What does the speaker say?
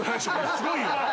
すごいよ。